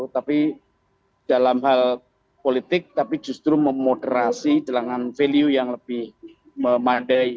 tapi dalam hal politik tapi justru memoderasi jelangan value yang lebih memadai